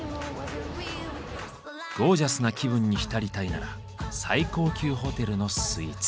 ゴージャスな気分に浸りたいなら最高級ホテルのスイーツ。